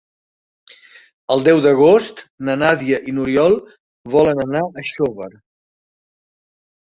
El deu d'agost na Nàdia i n'Oriol volen anar a Xóvar.